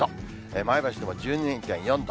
前橋でも１２．４度。